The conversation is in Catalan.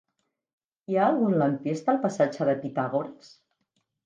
Hi ha algun lampista al passatge de Pitàgores?